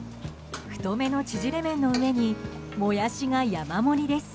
太めのちぢれ麺の上にモヤシが山盛りです。